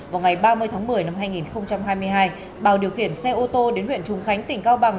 vào ngày ba mươi tháng một mươi năm hai nghìn hai mươi hai bảo điều khiển xe ô tô đến huyện trung khánh tỉnh cao bằng